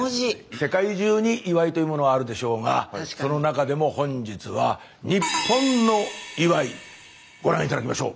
世界中に祝いというものはあるでしょうがその中でも本日はご覧頂きましょう。